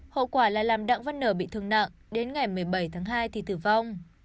hậu quả là làm đặng văn nở bị thương nặng đến ngày một mươi bảy tháng hai thì tử vong